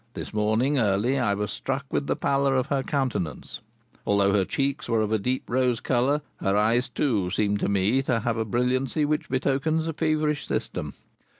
This morning early I was struck with the pallor of her countenance, although her cheeks were of a deep rose colour; her eyes, too, seem to me to have a brilliancy which betokens a feverish system.